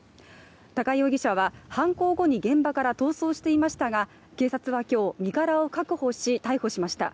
高井容疑者は、犯行後に現場から逃走していましたが警察は今日、身柄を確保し、逮捕しました。